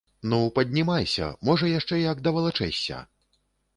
Ну, паднімайся, можа яшчэ як давалачэшся!